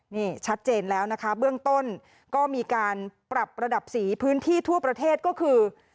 นี่ชัดเจนแล้วนะคะเบื้องต้นก็มีการปรับระดับสีพื้นที่ทั่วประเทศก็คือ